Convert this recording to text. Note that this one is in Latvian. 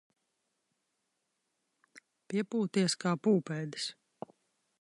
Piepūties kā pūpēdis.